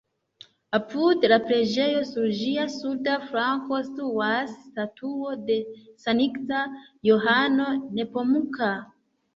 Apud la preĝejo, sur ĝia suda flanko, situas statuo de Sankta Johano Nepomuka.